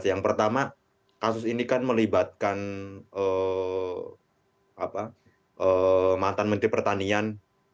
yang pertama kasus ini kan melibatkan mantan menteri pertanian